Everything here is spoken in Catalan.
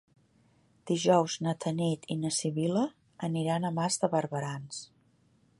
Dijous na Tanit i na Sibil·la aniran a Mas de Barberans.